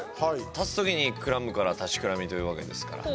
立つ時にくらむから立ちくらみというわけですから。